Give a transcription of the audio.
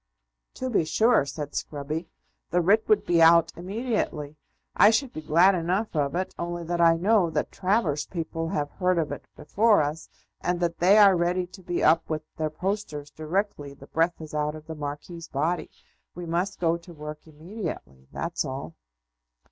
"To be sure," said Scruby. "The writ would be out immediately. I should be glad enough of it, only that I know that Travers's people have heard of it before us, and that they are ready to be up with their posters directly the breath is out of the Marquis's body. We must go to work immediately; that's all."